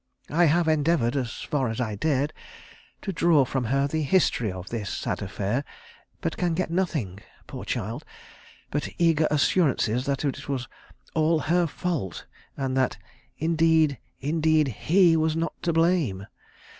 I have endeavoured, as far as I dared, to draw from her the history of this sad affair, but can get nothing, poor child, but eager assurances that it was 'all her fault,' and that 'indeed, indeed, he was not to blame.'